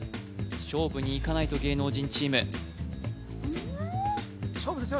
勝負にいかないと芸能人チーム勝負ですよ